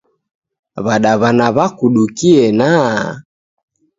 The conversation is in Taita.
W'adawana w'akudukie nwaa!